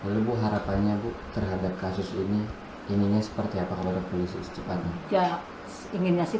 lebih harapannya bu terhadap kasus ini ini seperti apa kalau polisi cepatnya ingin ngasih